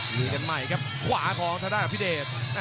มีกันใหม่ครับขวาทะดาฯอภิเดช